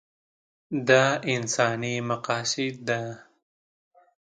دا انساني مقاصد ده.